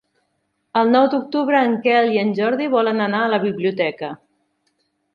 El nou d'octubre en Quel i en Jordi volen anar a la biblioteca.